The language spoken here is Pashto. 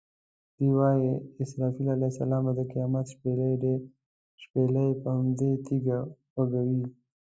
دوی وایي اسرافیل علیه السلام به د قیامت شپېلۍ پر همدې تیږه وغږوي.